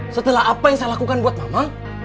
setelah apa yang saya lakukan buat mama